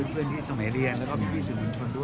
เพื่อนที่สมัยเรียนแล้วก็พี่สื่อมวลชนด้วย